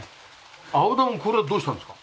アオダモこれはどうしたんですか？